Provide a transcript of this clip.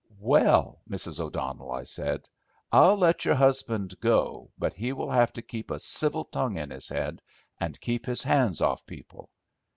"Well, Mrs. O'Donnell," I said, "I'll let your husband go, but he will have to keep a civil tongue in his head and keep his hands off people.